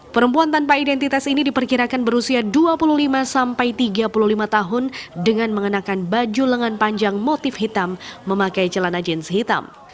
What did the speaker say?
perempuan tanpa identitas ini diperkirakan berusia dua puluh lima sampai tiga puluh lima tahun dengan mengenakan baju lengan panjang motif hitam memakai celana jeans hitam